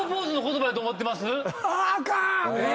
あかん！